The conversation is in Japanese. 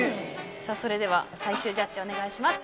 それでは最終ジャッジお願いします。